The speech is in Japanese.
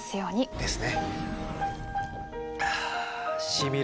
ですね。